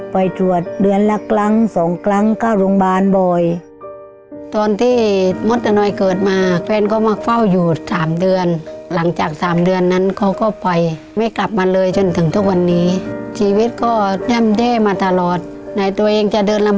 ไปทรวจเดือนละกลาง